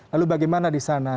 lalu bagaimana di sana